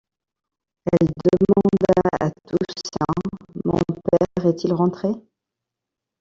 Elle demanda à Toussaint: — Mon père est-il rentré?